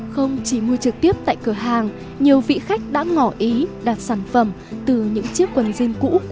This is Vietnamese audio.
không chỉ mua trực tiếp tại cửa hàng nhiều vị khách đã ngỏ ý đặt sản phẩm từ những chiếc quần riêng cũ của họ mang đến